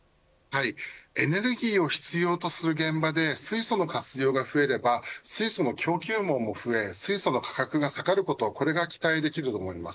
エネルギーを必要とする現場で水素の活用が増えれば水素の供給網も増え、水素の価格が下がることこれが期待できると思います。